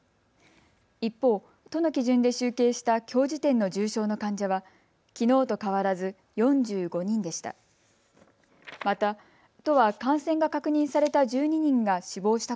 一方、都の基準で集計したきょう時点の重症の患者はきのうと変わらず４５人でした。